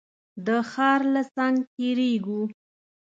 د ښار له څنګ تېرېږو.